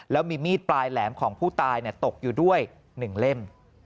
แล้วมีมีดปลายแหลมของผู้ตายตกอยู่ด้วย๑เล่ม